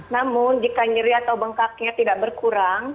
namun jika nyeri atau bengkaknya tidak berkurang